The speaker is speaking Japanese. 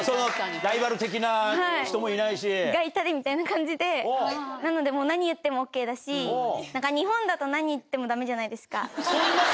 ライバル的な人もいないし、外タレみたいな感じで、なのでもう何言ってもＯＫだし、なんか、日本だと何言ってもだめじゃないですか。